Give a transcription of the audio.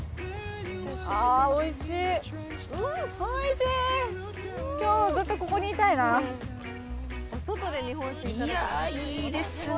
ああおいしいおいしい今日ずっとここにいたいなあいやいいですね